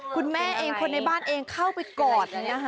คุณแม่คนในบ้านเองเข้าไปกอด